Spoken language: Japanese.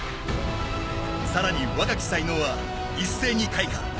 更に若き才能は一斉に開花。